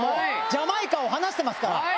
ジャマイカを離してますから。